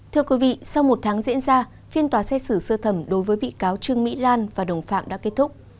thưa quý vị sau một tháng diễn ra phiên tòa xét xử sơ thẩm đối với bị cáo trương mỹ lan và đồng phạm đã kết thúc